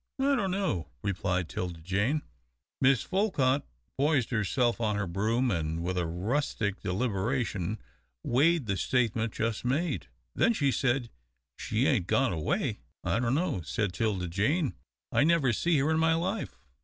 "I don't know," replied 'Tilda Jane. Mrs. Folcutt poised herself on her broom and with rustic deliberation weighed the statement just made. Then she said, "She ain't gone away?" "I dunno," said 'Tilda Jane, "I never see her in my life."